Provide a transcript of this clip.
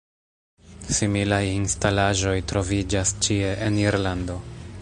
Similaj instalaĵoj troviĝas ĉie en Irlando.